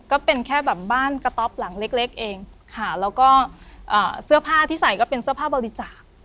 ก็เป็นแค่แบบบ้านกระต๊อปหลังเล็กเองค่ะแล้วก็เสื้อผ้าที่ใส่ก็เป็นเสื้อผ้าบริจาค